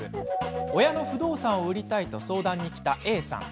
親の不動産を売りたいと相談に来たＡさん。